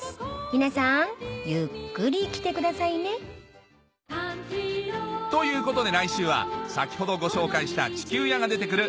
皆さんゆっくり来てくださいねということで来週は先ほどご紹介した地球屋が出て来る